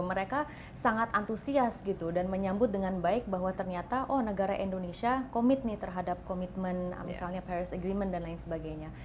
mereka sangat antusias gitu dan menyambut dengan baik bahwa ternyata oh negara indonesia komit nih terhadap komitmen misalnya paris agreement dan lain sebagainya